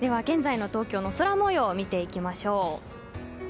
現在の東京の空模様を見ていきましょう。